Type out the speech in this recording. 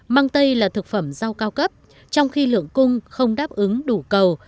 mang tây là thực phẩm rau cao cấp trong khi lượng cung không đáp ứng đủ cầu